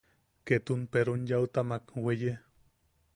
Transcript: Ket peron yaʼutamak weye.